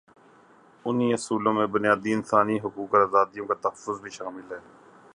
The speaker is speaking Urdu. انہی اصولوں میں بنیادی انسانی حقوق اور آزادیوں کا تحفظ بھی شامل ہے۔